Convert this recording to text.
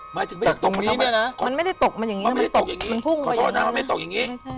หมายถึงไม่อยากตกมาเท่าไหร่นะมันพุ่งไปอย่างนั้นนะมันไม่ได้ตกอย่างนี้ขอโทษนะมันไม่ได้ตกอย่างนี้